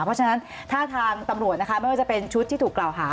เพราะฉะนั้นถ้าทางตำรวจนะคะไม่ว่าจะเป็นชุดที่ถูกกล่าวหา